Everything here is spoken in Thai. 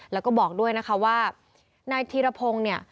แล้วก็บอกด้วยนะคะว่านายธีรพงศ์เนี่ย